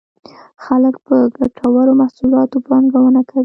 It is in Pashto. خلک په ګټورو محصولاتو پانګونه کوي.